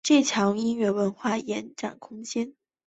这墙音乐艺文展演空间。